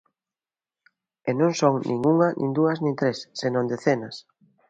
E non son nin unha nin dúas nin tres, senón decenas.